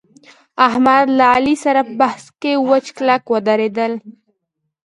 احمد له علي سره په بحث کې وچ کلک ودرېدل